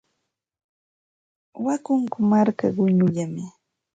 Wakunku marka quñullami.